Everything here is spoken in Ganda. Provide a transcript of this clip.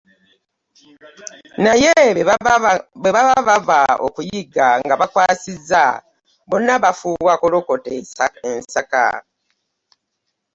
Naye bwe baba bava okuyigga nga bakwasizza, bonna bafuuwa kolokota ensaka.